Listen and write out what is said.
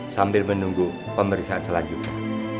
sambil menunggu pemeriksaan selanjutnya